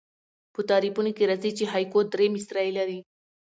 په تعریفونو کښي راځي، چي هایکو درې مصرۍ لري.